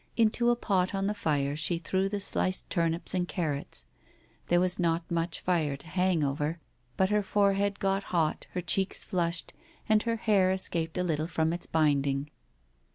Into a pot on the fire she threw the sliced turnips and carrots. There was not much fire to hang over, but her forehead got hot, her cheeks flushed, and her hair escaped a little from its binding.